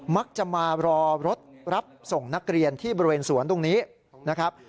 มักจะมารอรถรับส่งนักเรียนที่บริเวณสวนตรงนี้นะครับ